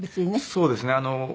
そうですね。